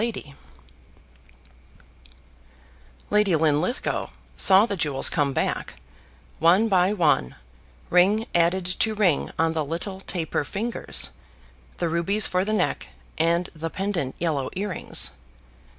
Lady Linlithgow saw the jewels come back, one by one, ring added to ring on the little taper fingers, the rubies for the neck, and the pendent yellow earrings.